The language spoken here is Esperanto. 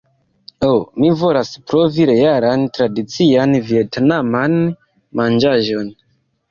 Ho, mi volas provi realan tradician vjetnaman manĝaĵon